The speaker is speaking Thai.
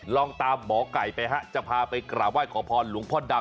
ลองตามหมอไก่ไปฮะจะพาไปกราบไห้ขอพรหลวงพ่อดำ